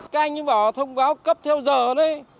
các anh bảo thông báo cấp theo giờ đấy